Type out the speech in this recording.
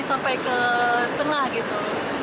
sampai ke tengah gitu